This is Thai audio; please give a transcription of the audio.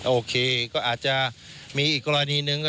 โอเคก็อาจจะมีอีกกรณีหนึ่ง